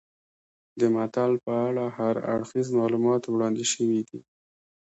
د متل په اړه هر اړخیز معلومات وړاندې شوي دي